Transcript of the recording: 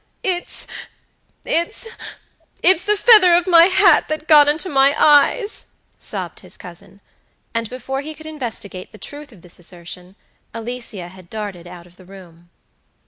"It'sit'sit's the feather of my hat that got into my eyes," sobbed his cousin; and before he could investigate the truth of this assertion Alicia had darted out of the room.